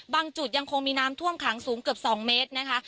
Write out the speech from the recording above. จุดยังคงมีน้ำท่วมขังสูงเกือบ๒เมตรนะคะ